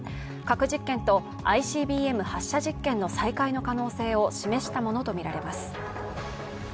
核実験とＩＣＢＭ発射実験の再開の可能性を示したものとみられます。